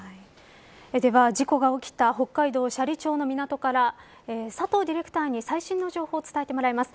では事故が起きた北海道斜里町の港から佐藤ディレクターに、最新の情報を伝えてもらいます。